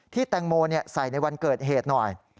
แตงโมใส่ในวันเกิดเหตุหน่อย